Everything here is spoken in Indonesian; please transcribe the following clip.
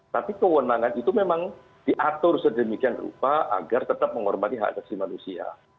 tapi kewenangan itu memang diatur sedemikian rupa agar tetap menghormati hak asasi manusia